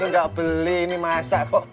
ini udah beli ini masak kok